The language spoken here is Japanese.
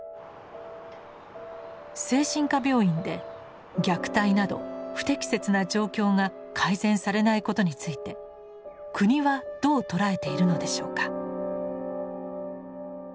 精神科病院で虐待など不適切な状況が改善されないことについて国はどう捉えているのでしょうか。